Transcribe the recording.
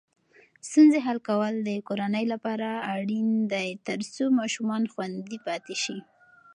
ستونزې حل کول د کورنۍ لپاره اړین دي ترڅو ماشومان خوندي پاتې شي.